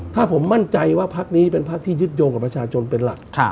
ถ้าผมมั่นใจว่าพักนี้เป็นพักที่ยึดโยงกับประชาชนเป็นหลัก